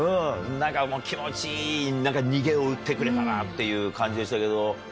なんか気持ちいい逃げを打ってくれたなっていう感じでしたけど。